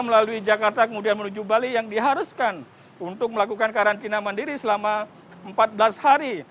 melalui jakarta kemudian menuju bali yang diharuskan untuk melakukan karantina mandiri selama empat belas hari